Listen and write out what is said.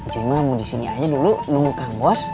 cuy mau disini aja dulu nunggu kang bos